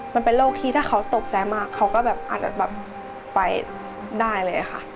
มันเป็นโรคที่ถ้าเขาตกใจมากเขาก็แบบอาจจะแบบไปได้เลยค่ะ